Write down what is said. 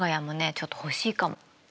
ちょっと欲しいかも。